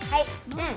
うん。